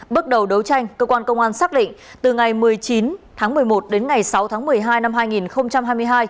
bước đầu đấu tranh cơ quan công an xác định từ ngày một mươi chín tháng một mươi một đến ngày sáu tháng một mươi hai năm hai nghìn hai mươi hai